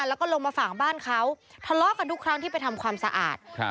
แล้วก็ลงมาฝั่งบ้านเขาทะเลาะกันทุกครั้งที่ไปทำความสะอาดครับ